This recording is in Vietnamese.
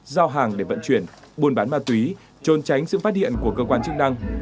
giao hàng để vận chuyển buôn bán ma túy trốn tránh sự phát hiện của cơ quan chức năng